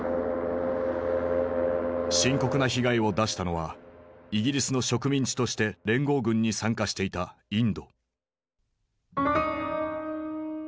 深刻な被害を出したのはイギリスの植民地として連合軍に参加していたインド。